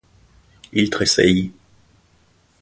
Il tressaillit.